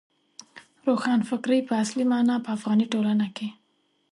روښانفکرۍ په اصلي مانا په افغاني ټولنه کې.